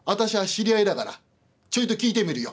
知り合いだからちょいと聞いてみるよ」。